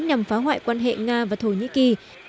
nhằm phá hoại quan hệ nga và thổ nhĩ kỳ